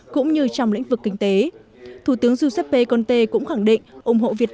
cũng như trong lĩnh vực kinh tế thủ tướng giuseppe conte cũng khẳng định ủng hộ việt